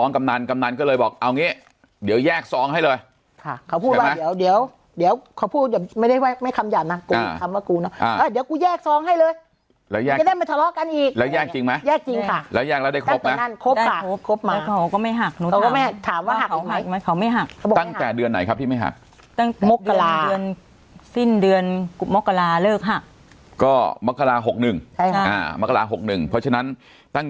เขาบอกว่าเขาจะไม่เอาเงินหนูเลย๕๐๐๐ค่าตำแน่ง